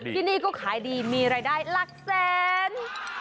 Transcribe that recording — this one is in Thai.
ที่นี่ก็ขายดีมีรายได้หลักแสน